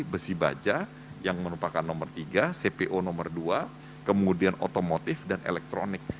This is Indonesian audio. besi baja yang merupakan nomor tiga cpo nomor dua kemudian otomotif dan elektronik